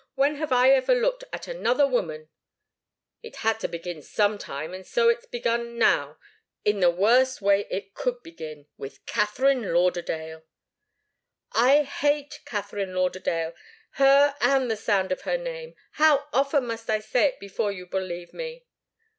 When have I ever looked at another woman " "It had to begin some time so it's begun now in the worst way it could begin, with Katharine Lauderdale!" "I hate Katharine Lauderdale her and the sound of her name! How often must I say it before you'll believe me?"